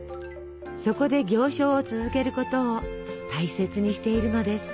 そこで行商を続けることを大切にしているのです。